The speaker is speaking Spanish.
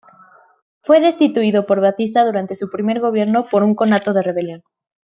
Fue destituido por Batista durante su primer gobierno por un conato de rebelión.